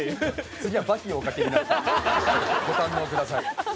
次は「バキ」をおかけになってご堪能下さい。